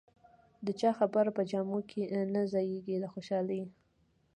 د چا خبره په جامو کې نه ځایېږم له خوشالۍ.